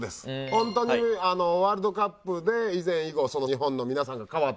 ホントにワールドカップで以前以後その日本の皆さんが変わった。